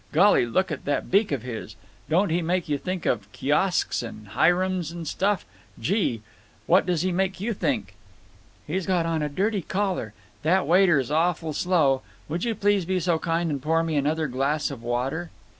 Golly! look at that beak of his. Don't he make you think of kiosks and hyrems and stuff? Gee! What does he make you think—" "He's got on a dirty collar…. That waiter's awful slow…. Would you please be so kind and pour me another glass of water?"